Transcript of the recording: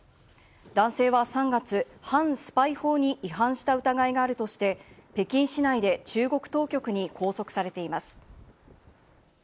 男性は３月、反スパイ法に違反した疑いがあるとして、北京市内で中国当局に拘束されています。